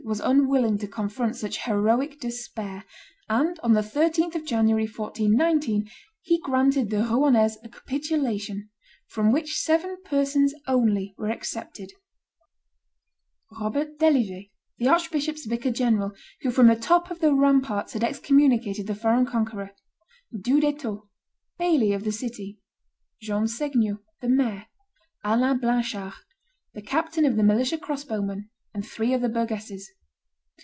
was unwilling to confront such heroic despair; and on the 13th of January, 1419, he granted the Rouennese a capitulation, from which seven persons only were excepted, Robert Delivet, the archbishop's vicar general, who from the top of the ramparts had excommunicated the foreign conqueror; D'Houdetot, baillie of the city; John Segneult, the mayor; Alan Blanchard, the captain of the militia crossbowmen, and three other burgesses.